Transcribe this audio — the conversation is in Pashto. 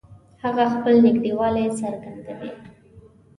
هغه خپل نږدېوالی څرګندوي